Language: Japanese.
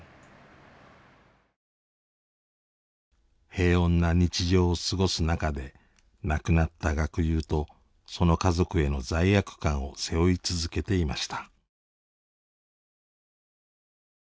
平穏な日常を過ごす中で亡くなった学友とその家族への罪悪感を背負い続けていました。